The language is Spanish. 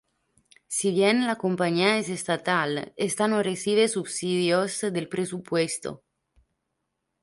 Si bien la compañía es estatal, esta no recibe subsidios del presupuesto.